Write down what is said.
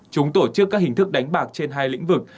chúng tổ chức các hình thức đánh bạc trên hai lĩnh vực